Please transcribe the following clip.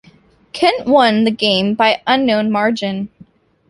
Kent won the game by an unknown margin.